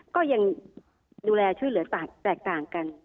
ก็ยังดูแลช่วยเหลือสัตว์แตกต่างกัน